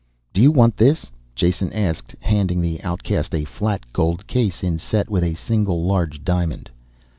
"Do you want this?" Jason asked, handing the outcast a flat gold case inset with a single large diamond.